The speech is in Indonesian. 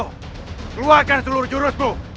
keluarkan seluruh jurusmu